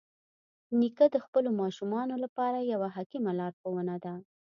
نیکه د خپلو ماشومانو لپاره یوه حکیمه لارښوونه ده.